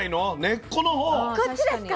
こっちですか？